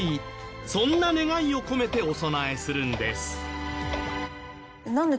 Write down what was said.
そんな願いを込めてお供えするんです。